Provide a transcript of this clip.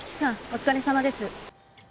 お疲れさまです。